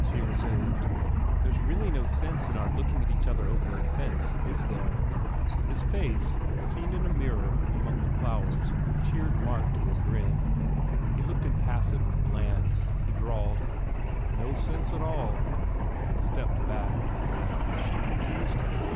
She resumed, "There s really no sense in our looking at each other over a fence, is there?" 70 FULL BLOOM His face, seen in a mirror among the flowers, cheered Mark to a grin. He looked impassive and bland. He drawled, "No sense at all," and stepped back. But she confused him.